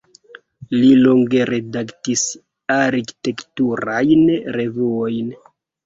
Li longe redaktis arkitekturajn revuojn.